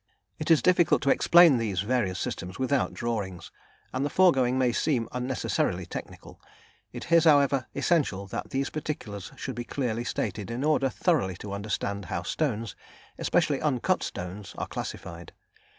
It is difficult to explain these various systems without drawings, and the foregoing may seem unnecessarily technical. It is, however, essential that these particulars should be clearly stated in order thoroughly to understand how stones, especially uncut stones, are classified.